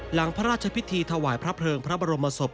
หลังพระราชพิธีถวายพระเพลิงพระบรมศพ